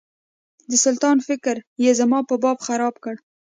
د سلطان فکر یې زما په باب خراب کړ.